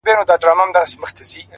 علم د تصمیم نیولو ځواک زیاتوي،